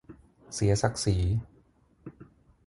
เสียศักดิ์ศรี